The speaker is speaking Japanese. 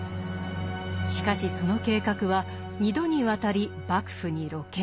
しかしその計画は二度にわたり幕府に露見。